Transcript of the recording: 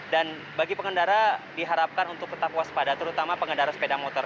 dan bagi pengendara diharapkan untuk tetap waspada terutama pengendara sepeda motor